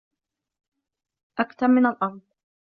أكتم من الأرض